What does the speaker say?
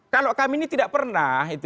kalau kami ini tidak pernah